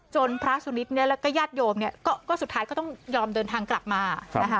จนพระสุนิทและก็ญาติโยมสุดท้ายก็ต้องยอมเดินทางกลับมา